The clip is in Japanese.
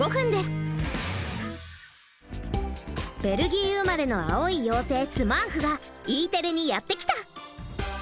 ベルギー生まれの青い妖精スマーフがＥテレにやって来た！